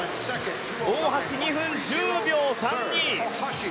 大橋、２分１０秒３２。